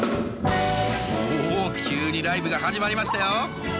おお急にライブが始まりましたよ。